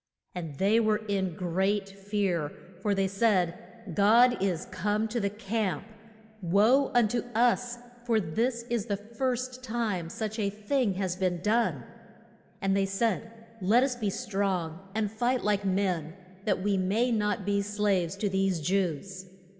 And they were in great fear; for they said, God is come to the camp! Woe un to us, for this is the first time such a thing has been done! And they said, Let us be strong and fight like men, that we may not be slaves to these Jews!